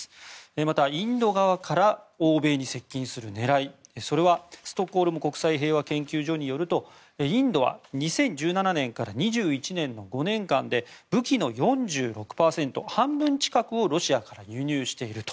またインド側から欧米に接近する狙いそれはストックホルム国際平和研究所によるとインドは２０１７年から２１年の５年間で武器の４６％、半分近くをロシアから輸入していると。